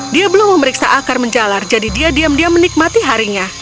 dia belum memeriksa akar menjalar jadi dia diam diam menikmati harinya